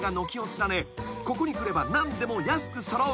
ここに来れば何でも安く揃う］